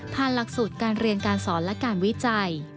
หลักสูตรการเรียนการสอนและการวิจัย